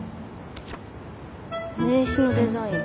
名刺のデザイン